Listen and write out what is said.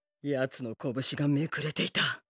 ヤツの拳がめくれていた。